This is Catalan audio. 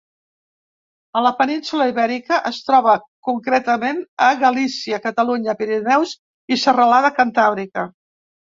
A la península Ibèrica es troba concretament a Galícia, Catalunya, Pirineus i Serralada Cantàbrica.